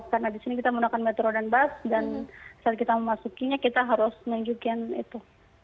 karena di sini kita menggunakan metro dan bus dan saat kita memasukinya kita harus menunjukkan itu